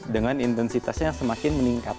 dengan intensitasnya yang semakin meningkat